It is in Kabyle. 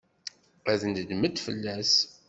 Ad nedment fell-as.